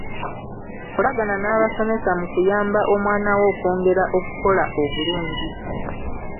Kolagana n'abasomesa mu kuyamba omwana wo okwongera okukola obulungi.